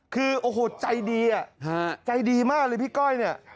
คือโอ้โหใจดีอ่ะใจดีมากเลยพี่ก้อยเนี่ย